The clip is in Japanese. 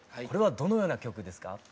これはどのような曲ですか？